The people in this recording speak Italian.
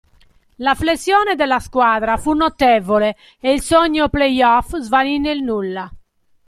La flessione della squadra fu notevole e il sogno play-off svanì nel nulla.